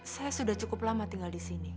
saya sudah cukup lama tinggal disini